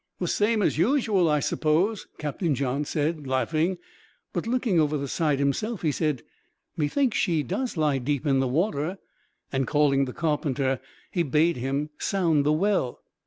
"The same as usual, I suppose," Captain John said, laughing; but looking over the side himself, he said, "Methinks she does lie deep in the water;" and, calling the carpenter, he bade him sound the well.